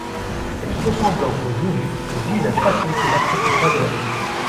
Cette ressemblance voulue vise à faciliter l'apprentissage et la lecture.